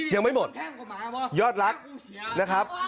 ยังไม่หมดยอดรักนะครับ